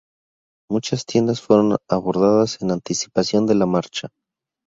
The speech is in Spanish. Muchas tiendas fueron abordadas en anticipación de la marcha.